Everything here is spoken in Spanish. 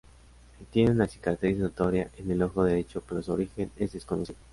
Él tiene una cicatriz notoria en el ojo derecho, pero su origen es desconocido.